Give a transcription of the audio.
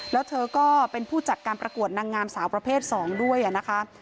แล้วเธอก็เป็นผู้จัดการประกวดนางงามสาวประเภท๒ด้วยนะคะ